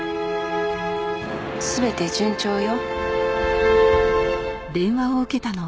全て順調よ。